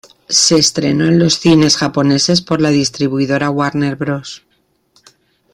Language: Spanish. Se estrenó en los cines japoneses por la distribuidora Warner Bros.